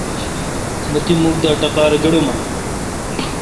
مہ تی مکھ دا اٹقار گڑومہ۔